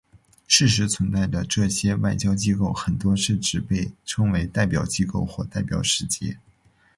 事实存在的这些外交机构很多是只被称为代表机构或代表使节。